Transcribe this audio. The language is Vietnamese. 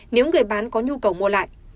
nếu người bán có nhu cầu mua lại